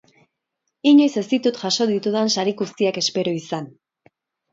Inoiz ez ditut jaso ditudan sari guztiak espero izan.